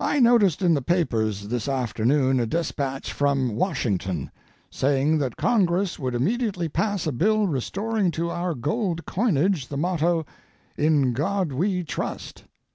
I noticed in the papers this afternoon a despatch from Washington, saying that Congress would immediately pass a bill restoring to our gold coinage the motto "In God We Trust."